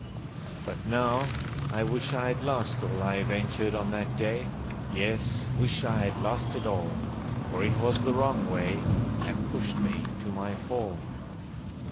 But now I wish I had lost all I ventured on that day— Yes, wish I had lost it all. For it was the wrong way, And pushed me to my fall.